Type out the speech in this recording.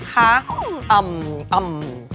ค่ะเอิ่ม